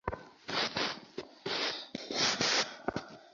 একমুঠো লবণ নিয়ে আগাছায় ছড়িয়ে দিলে সেগুলো সহজেই টেনে তোলা যায়।